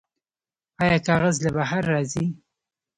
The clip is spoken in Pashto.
آیا کاغذ له بهر راځي؟